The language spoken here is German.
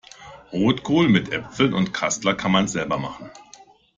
Rotkohl mit Äpfeln und Kassler kann man selber machen.